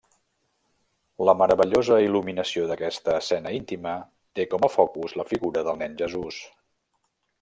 La meravellosa il·luminació d'aquesta escena intima té com a focus la figura del Nen Jesús.